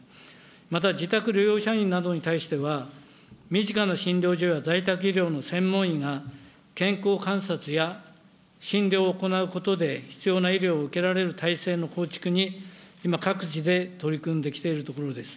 また自宅療養者などに対しては、身近な診療所や在宅医療の専門医が健康観察や診療を行うことで必要な医療を受けられる体制の構築に今、各地で取り組んできているところです。